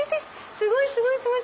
すごいすごいすごい！